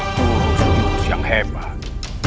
jurus jurus yang hebat